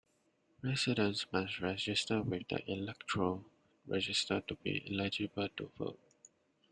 Residents must register with the electoral register to be eligible to vote.